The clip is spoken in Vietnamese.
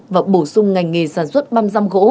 và bổ sung ngành nghề sản xuất băm giam gỗ